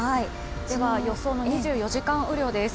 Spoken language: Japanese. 予想の２４時間雨量です。